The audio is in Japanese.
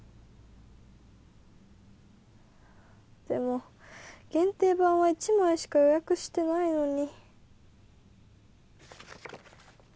でも限定盤は１枚しか予約してないのに。